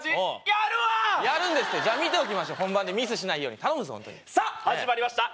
やるんですってじゃ見ておきましょう本番でミスしないように頼むぞさっ始まりました